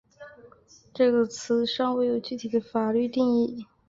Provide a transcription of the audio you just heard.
这个词尚未有具体的法律定义。